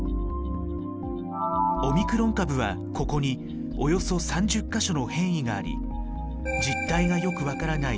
オミクロン株はここにおよそ３０か所の変異があり実態がよく分からない